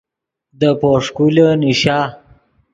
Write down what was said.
دے پوݰکولے نیشا